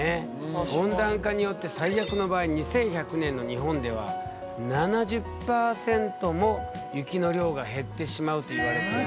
温暖化によって最悪の場合２１００年の日本では７０％も雪の量が減ってしまうといわれている。